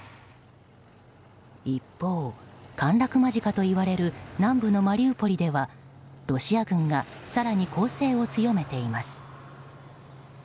一方、陥落間近といわれる南部のマリウポリではロシア軍が更に攻勢を強めています。